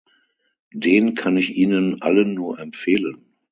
Den kann ich Ihnen allen nur empfehlen.